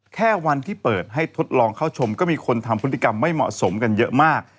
แค่วันที่เปิดให้ทดลองเข้าชมก็มีคนทำพฤติกรรมไม่เหมาะสมกันเยอะมาก